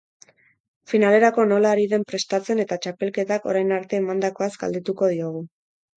Finalerako nola ari den prestatzen eta txapelketak orain arte emandakoaz galdetuko diogu.